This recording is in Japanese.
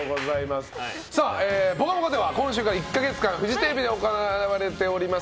「ぽかぽか」では今週から１か月間フジテレビで行われております